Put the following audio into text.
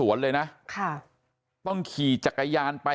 พวกมันกลับมาเมื่อเวลาที่สุดพวกมันกลับมาเมื่อเวลาที่สุด